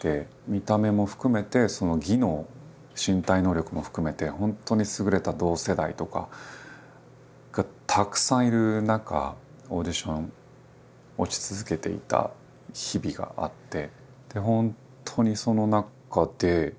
見た目も含めて技能身体能力も含めて本当に優れた同世代とかがたくさんいる中オーディション落ち続けていた日々があって。